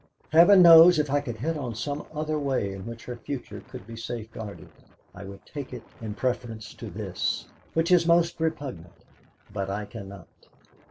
Heaven knows if I could hit on some other way in which her future could be safeguarded, I would take it in preference to this, which is most repugnant; but I cannot.